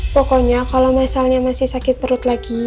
pokoknya kalau misalnya masih sakit perut lagi